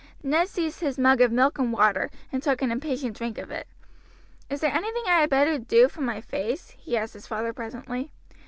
Ned seized his mug of milk and water, and took an impatient drink of it. "Is there anything I had better do for my face?" he asked his father presently.